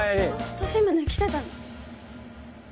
利宗来てたの？